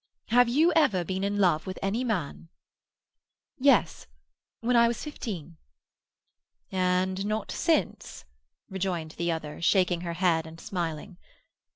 Have you ever been in love with any man?" "Yes. When I was fifteen." "And not since," rejoined the other, shaking her head and smiling.